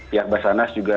ya basarnas juga